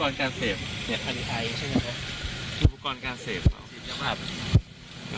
อุวัมอุวัมอุวัมอุวัมอุวัมอุวัมอุวัมอุวัมอุวัมอุวัมอุวัมอุวัม